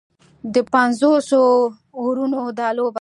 د پنځوسو اورونو دا لوبه